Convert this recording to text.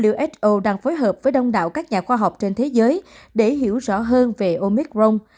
uso đang phối hợp với đông đảo các nhà khoa học trên thế giới để hiểu rõ hơn về omicron